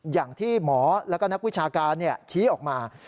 อย่างที่หมอแล้วก็นักวิชาการชี้ออกมา